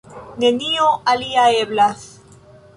Nenio alia eblas.